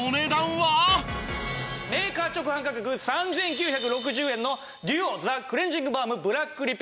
メーカー直販価格３９６０円のＤＵＯザクレンジングバームブラックリペア。